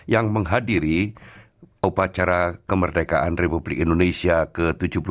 yang menghadiri upacara kemerdekaan republik indonesia ke tujuh puluh dua